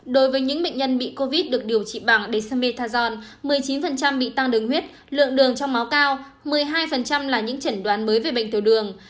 đối với những bệnh nhân bị covid được điều trị bằng dsametajon một mươi chín bị tăng đường huyết lượng đường trong máu cao một mươi hai là những chẩn đoán mới về bệnh tiểu đường